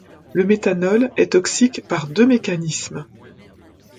Le méthanol est toxique par deux mécanismes.